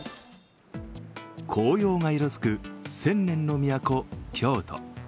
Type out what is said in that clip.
紅葉が色づく千年の都・京都。